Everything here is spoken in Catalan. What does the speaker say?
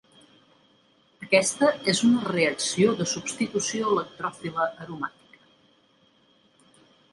Aquesta és una reacció de substitució electròfila aromàtica.